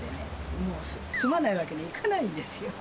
もう住まないわけにいかないんですよ。